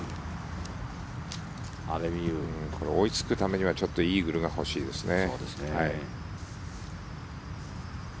これ、追いつくためにはイーグルが欲しいですね。